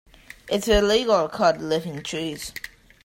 It is illegal to cut living trees.